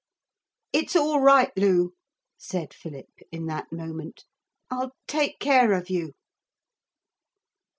'It's all right, Lu,' said Philip in that moment. 'I'll take care of you.'